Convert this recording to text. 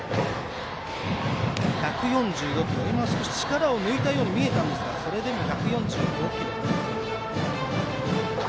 今、少し力を抜いたように見えたんですがそれでも１４５キロでした。